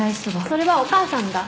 それはお母さんが？